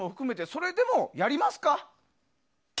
それでもやりますか？